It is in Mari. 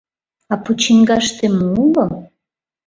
А почиҥгаште мо уло?